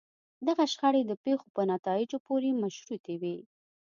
دغه شخړې د پېښو په نتایجو پورې مشروطې وي.